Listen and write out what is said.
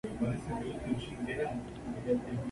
Terror Inc.